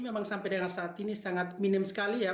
memang sampai dengan saat ini sangat minim sekali ya